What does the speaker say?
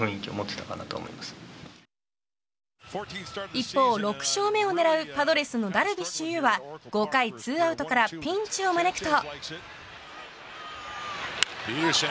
一方、６勝目を狙うパドレスのダルビッシュ有は５回２アウトからピンチを招くと。